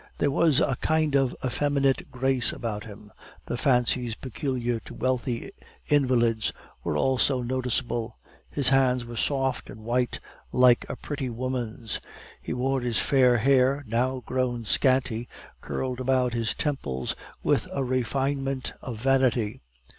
There was a kind of effeminate grace about him; the fancies peculiar to wealthy invalids were also noticeable. His hands were soft and white, like a pretty woman's; he wore his fair hair, now grown scanty, curled about his temples with a refinement of vanity.